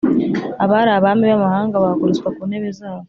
abari abami b’amahanga bahagurutswa ku ntebe zabo.